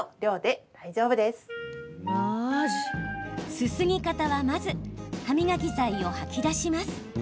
すすぎ方はまず歯磨き剤を吐き出します。